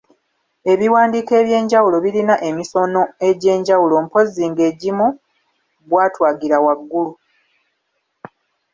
Ebiwandiiko eby’enjawulo birina emisono egy’enjawulo mpozzi ng’egimu bwa twagira waggulu.